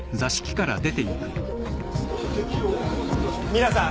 皆さん！